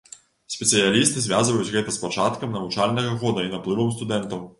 Спецыялісты звязваюць гэта з пачаткам навучальнага года і наплывам студэнтаў.